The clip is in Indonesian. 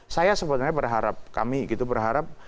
saya sebenarnya berharap kami gitu berharap